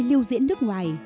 hay lưu diễn nước ngoài